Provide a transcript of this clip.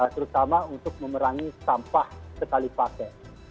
terutama untuk memerangi sampah sekali pakai